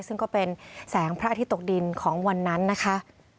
ซึ่งก็เป็นแสงพระอาทิตย์ตกดินของวันนั้นนะคะ